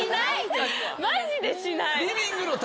マジでしない。